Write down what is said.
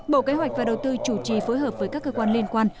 bộ kế hoạch và đầu tư chủ trì phối hợp với các cơ quan liên quan